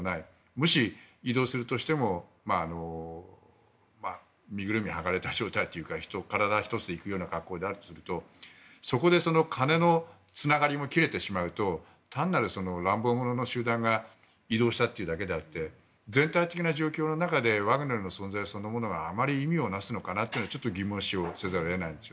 もし移動するとしてもみぐるみを剥がれた状態というか体ひとつで行くような格好だというと金のつながりも切れてしまうと単なる乱暴者の集団が移動したというだけであって全体的な状況の中でワグネルの存在そのものが意味をなすのかなというのが疑問視せざるを得ないです。